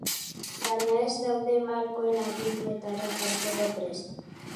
Baina ez daude malkoen aginduetara jartzeko prest.